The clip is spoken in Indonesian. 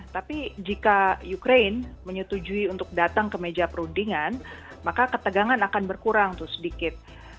tapi jika ukraine menyetujui untuk datang ke meja perundingan maka ketegangan akan berkurang tuh sedikit